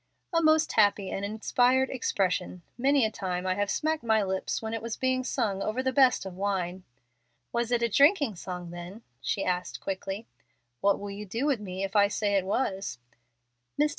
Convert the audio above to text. "A most happy and inspired expression. Many a time I have smacked my lips when it was being sung over the best of wine." "Was it a drinking song, then?" she asked, quickly. "What will you do with me if I say it was?"